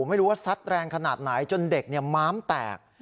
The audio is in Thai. ไม่รู้ว่าซัดแรงขนาดไหนจนเด็กม้ามแตก